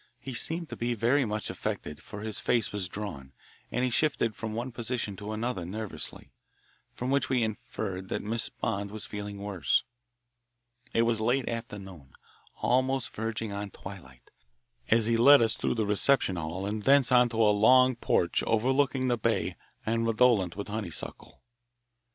He seemed to be very much affected, for his face was drawn, and he shifted from one position to another nervously, from which we inferred that Miss Bond was feeling worse. It was late afternoon, almost verging on twilight, as he led us through the reception hall and thence onto a long porch overlooking the bay and redolent with honeysuckle.